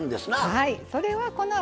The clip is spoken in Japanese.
はい。